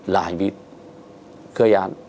là hành vi gây án